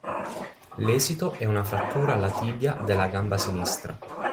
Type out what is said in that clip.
L'esito è una frattura alla tibia della gamba sinistra.